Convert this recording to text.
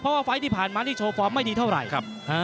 เพราะว่าไฟล์ที่ผ่านมานี่โชว์ฟอร์มไม่ดีเท่าไหร่ครับ